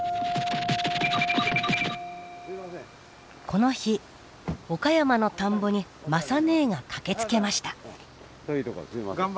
この日岡山の田んぼに雅ねえが駆けつけました。